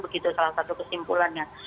begitu salah satu kesimpulannya